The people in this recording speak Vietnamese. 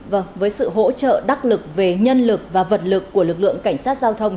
vâng với sự hỗ trợ đắc lực về nhân lực và vật lực của lực lượng cảnh sát giao thông